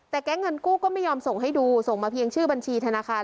แต่แก๊งเงินกู้ก็ไม่ยอมส่งให้ดูส่งมาเพียงชื่อบัญชีธนาคาร